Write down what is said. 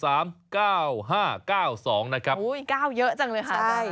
โอ้ย๙เยอะจังเลยค่ะตอนนั้น